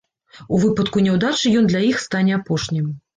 У выпадку няўдачы ён для іх стане апошнім.